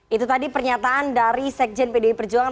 itu tadi pernyataan dari sekjen pdi perjuangan